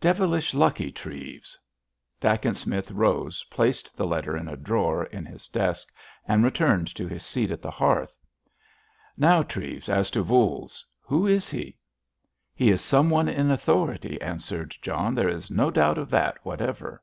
"Devilish lucky, Treves." Dacent Smith rose, placed the letter in a drawer in his desk and returned to his seat at the hearth. "Now, Treves, as to Voules. Who is he?" "He is some one in authority," answered John. "There is no doubt of that whatever."